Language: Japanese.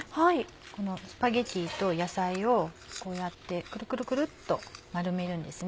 このスパゲティと野菜をこうやってクルクルクルっと丸めるんです。